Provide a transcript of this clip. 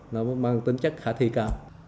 nó mang tính chất khá thi cao